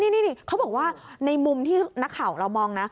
นี่เขาบอกว่าในมุมที่นักข่าวเรามองนะ